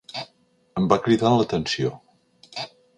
Em va cridar l'atenció.